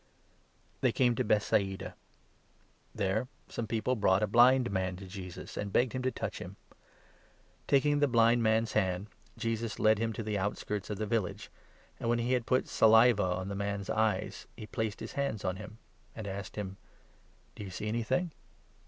They came to Bethsaida. There some of aUfoMnd people brought a blind man to Jesus, and begged Man him to touch him. Taking the blind man's at Bethsaida. hanci( Jesus led him to the outskirts of the village, and, when he had put saliva on the man's eyes, he placed his hands on him, and asked him :" Do you see any thing